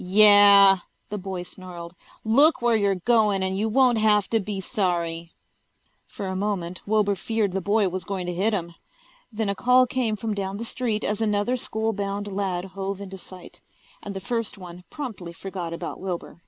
"Yah!" the boy snarled. "Look where you're goin' and you won't have to be sorry." For a moment Wilbur feared the boy was going to hit him. Then a call came from down the street as another school bound lad hove into sight, and the first one promptly forgot about Wilbur.